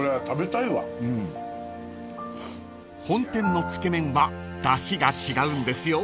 ［本店のつけ麺はだしが違うんですよ］